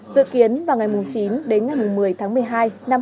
dự kiến vào ngày chín đến ngày một mươi tháng một mươi hai năm hai nghìn hai mươi